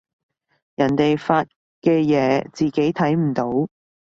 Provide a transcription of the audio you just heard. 人哋發嘅嘢自己睇唔到